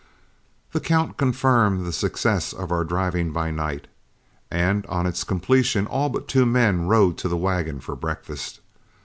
The count confirmed the success of our driving by night, and on its completion all but two men rode to the wagon for breakfast.